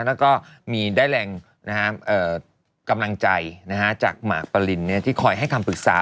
แล้วก็มีได้แรงกำลังใจจากหมากปรินที่คอยให้คำปรึกษา